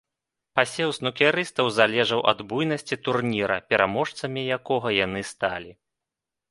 Пасеў снукерыстаў залежаў ад буйнасці турніра, пераможцамі якога яны сталі.